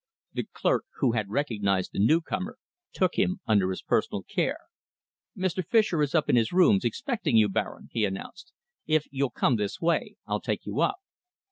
The clerk, who had recognised the newcomer, took him under his personal care. "Mr. Fischer is up in his rooms, expecting you, Baron," he announced. "If you'll come this way, I'll take you up."